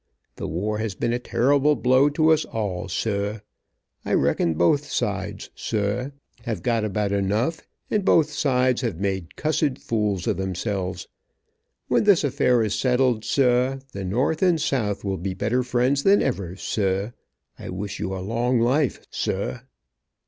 The war has been a terrible blow to us all, sah. I reckon both sides, sah, have got about enough, and both sides have made cussed, fools of themselves. When this affair is settled, sah, the north and south will be better friends than ever, sah. I wish you a long life, sah."